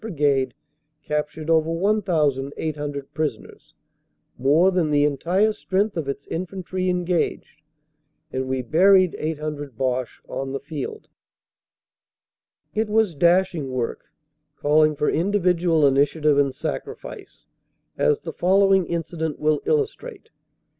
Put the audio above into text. Brigade captured over 1,800 prisoners, more than the entire strength of its infantry engaged, and we buried 800 Boche on the field. It was dashing work, calling for individual initiative and sacrifice, as the following incident will illustrate.